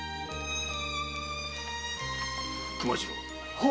熊次郎。